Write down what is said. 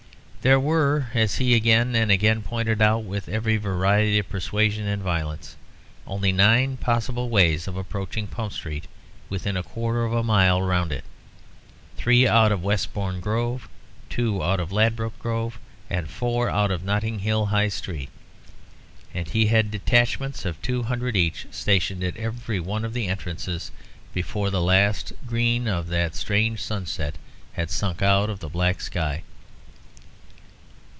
There were, as he again and again pointed out, with every variety of persuasion and violence, only nine possible ways of approaching Pump Street within a quarter of a mile round it; three out of Westbourne Grove, two out of Ladbroke Grove, and four out of Notting Hill High Street. And he had detachments of two hundred each, stationed at every one of the entrances before the last green of that strange sunset had sunk out of the black sky.